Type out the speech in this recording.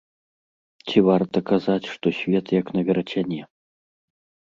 Ці варта казаць, што свет як на верацяне?!